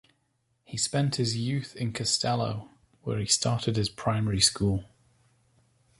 He spent his youth in Castello, where he started his primary school.